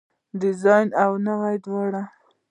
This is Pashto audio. دودیزه او نوې دواړه